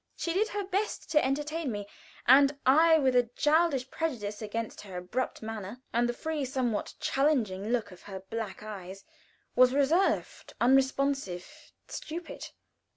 She did her best to entertain me, and I, with a childish prejudice against her abrupt manner, and the free, somewhat challenging look of her black eyes, was reserved, unresponsive, stupid.